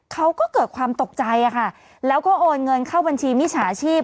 เขาก็เกิดความตกใจค่ะแล้วก็โอนเงินเข้าบัญชีมิจฉาชีพ